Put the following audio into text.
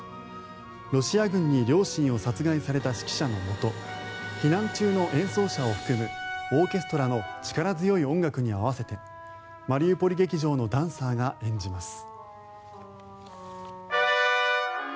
ロシア軍に両親を殺害された指揮者のもと避難中の演奏者を含むオーケストラの力強い音楽に合わせてマリウポリ劇場のダンサーが演じます。